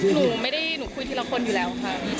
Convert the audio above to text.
หนูไม่ได้หนูคุยทีละคนอยู่แล้วค่ะ